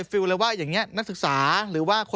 สวัสดีครับ